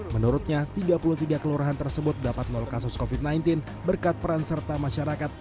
menurutnya tiga puluh tiga kelurahan tersebut dapat nol kasus covid sembilan belas berkat peran serta masyarakat